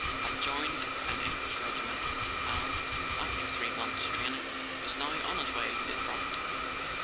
had joined an English regiment, and, after three months' training, was now on his way to the front.